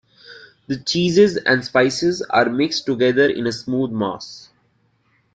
The cheeses and spices are mixed together into a smooth mass.